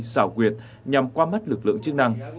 xảo quyệt nhằm qua mất lực lượng chức năng